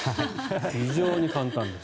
非常に簡単です。